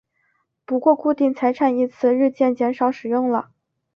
不过固定财产一词日渐少使用了。